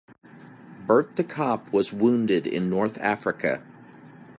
Bert the cop was wounded in North Africa.